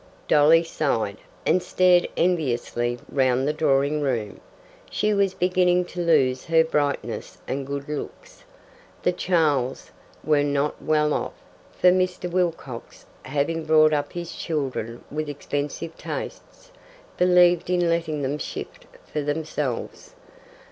Dolly sighed, and stared enviously round the drawing room. She was beginning to lose her brightness and good looks. The Charles' were not well off, for Mr. Wilcox, having brought up his children with expensive tastes, believed in letting them shift for themselves.